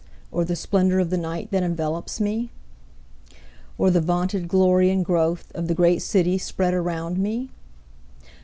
Or the splendor of the night that envelopes me? Or the vaunted glory and growth of the great city spread around me?